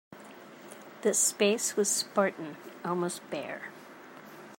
The space was spartan, almost bare.